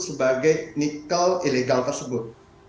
sebagai nikel ilegal tersebut